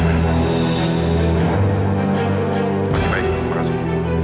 oke baik makasih